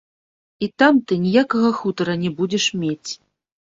І там ты ніякага хутара не будзеш мець.